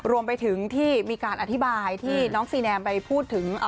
รวมไปถึงที่มีการอธิบายที่น้องซีแนมไปพูดถึง